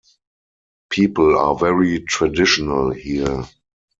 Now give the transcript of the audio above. People are very traditional here.